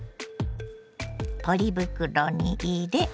ポリ袋に入れ